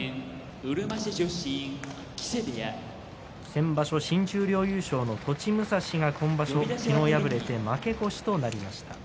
先場所新十両優勝の栃武蔵が昨日敗れて負け越しとなりました。